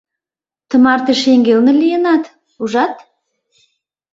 — Тымарте шеҥгелне лийынат, ужат?